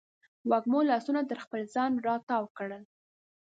وږمو لاسونه تر خپل ځان راتاو کړل